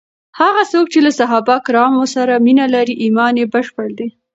هغه څوک چې له صحابه کرامو سره مینه لري، ایمان یې بشپړ دی.